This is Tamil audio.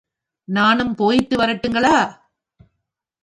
நானும் போயிட்டு வரட்டுங்களா?